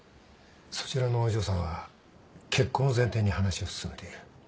そちらのお嬢さんは結婚を前提に話を進めている。